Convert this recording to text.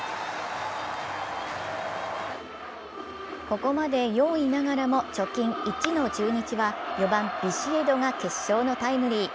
ここまで４位ながらも貯金１の中日は４番・ビシエドが決勝のタイムリー。